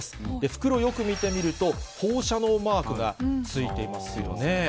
袋をよく見てみると、放射能マークがついていますよね。